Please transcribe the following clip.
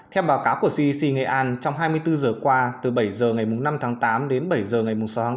theo báo cáo của cdc nghệ an trong hai mươi bốn giờ qua từ bảy giờ ngày năm tháng tám đến bảy giờ ngày sáu tháng tám